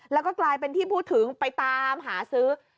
แล้วก็กลายเป็นที่พูดถึงไปตามหาซื้อ